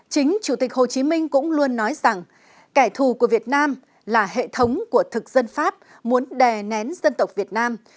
chính chủ tịch hồ chí minh cũng luôn nói rằng kẻ thù của việt nam là hệ thống của thực dân pháp muốn đè nén dân tộc việt nam